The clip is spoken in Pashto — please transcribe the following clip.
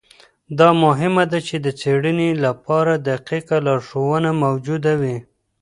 دا مهمه ده چي د څېړنې لپاره دقیقه لارښوونه موجوده وي.